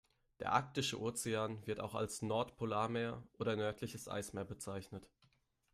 Der Arktische Ozean, wird auch als Nordpolarmeer oder nördliches Eismeer bezeichnet.